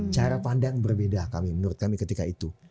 cara pandang berbeda kami menurut kami ketika itu